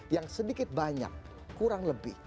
yang sedikit banyak kurang lebih